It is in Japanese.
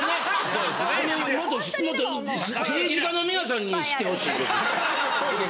もっと政治家の皆さんに知ってほしいことで。